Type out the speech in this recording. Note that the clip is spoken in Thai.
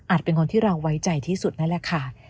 เป็นคนที่เราไว้ใจที่สุดนั่นแหละค่ะ